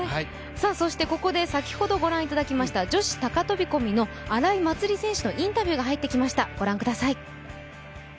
そして、ここで先ほどご覧いただきました女子高飛び込みの荒井祭里選手のインタビューが入ってきました。